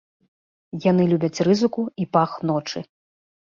Яны любяць рызыку і пах ночы.